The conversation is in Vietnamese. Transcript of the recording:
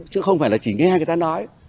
chứ không phải là chỉ nghe người ta nói